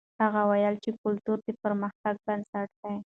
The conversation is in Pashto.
هغه وویل چې کلتور د پرمختګ بنسټ دی.